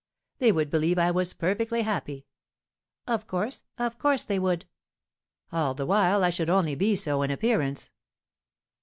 "They would believe I was perfectly happy." "Of course, of course they would." "All the while I should only be so in appearance."